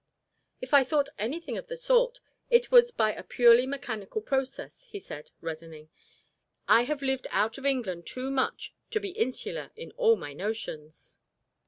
"If I thought anything of the sort, it was by a purely mechanical process," he said, reddening. "I have lived out of England too much to be insular in all my notions."